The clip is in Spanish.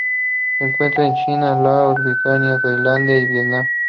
Se encuentran en China, Laos, Birmania, Tailandia y Vietnam.